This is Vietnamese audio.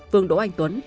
vương đỗ anh tuấn